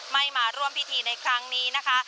มาร่วมพิธีในครั้งนี้นะคะ